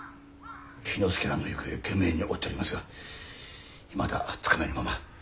氷ノ介らの行方を懸命に追っておりますがいまだつかめぬまま。